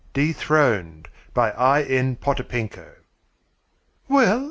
DETHRONED BY I.N. POTAPENKO "Well?"